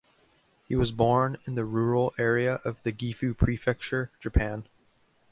He was born in the rural area of the Gifu Prefecture, Japan.